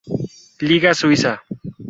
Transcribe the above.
Liga suiza.